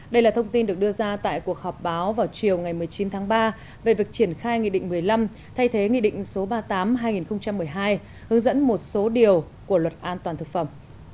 đây là thông tin được đưa ra tại cuộc họp báo vào chiều ngày một mươi chín tháng ba về việc triển khai nghị định một mươi năm thay thế nghị định số ba mươi tám hai nghìn một mươi hai hướng dẫn một số điều của luật an toàn thực phẩm